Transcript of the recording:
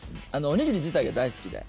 おにぎり自体が大好きで。